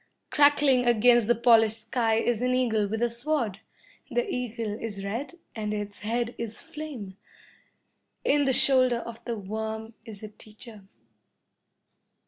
Crackling against the polished sky is an eagle with a sword. The eagle is red and its head is flame. In the shoulder of the worm is a teacher.